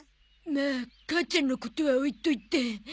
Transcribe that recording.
まあ母ちゃんのことは置いといて。